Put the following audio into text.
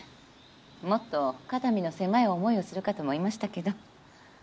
もっと肩身の狭い思いをするかと思いましたけど。